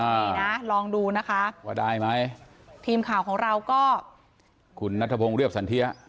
นี่นะลองดูนะคะว่าได้ไหมทีมข่าวของเราก็คุณนัทพงศ์เรียบสันเทีย